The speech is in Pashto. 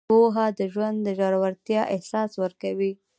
پوهه د ژوند د ژورتیا احساس ورکوي.